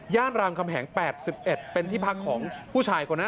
รามคำแหง๘๑เป็นที่พักของผู้ชายคนนั้น